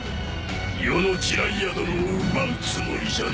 余の児雷也殿を奪うつもりじゃな！？